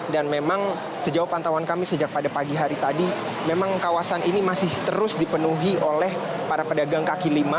dan memang sejauh pantauan kami sejak pada pagi hari tadi memang kawasan ini masih terus dipenuhi oleh para pedagang kaki lima